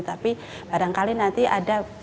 tapi barangkali nanti ada